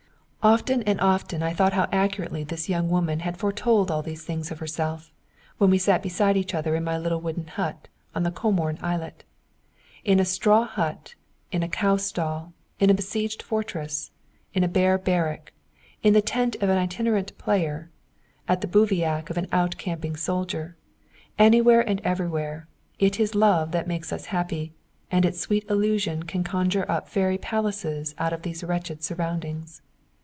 Often and often I thought how accurately this young woman had foretold all these things of herself when we sat beside each other in my little wooden hut on the Comorn islet. In a straw hut, in a cow stall, in a besieged fortress, in a bare barrack, in the tent of an itinerant player, at the bivouac of an out camping soldier anywhere and everywhere, it is Love that makes us happy, and its sweet illusion can conjure up fairy palaces out of these wretched surroundings.